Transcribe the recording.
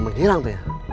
menghilang tuh ya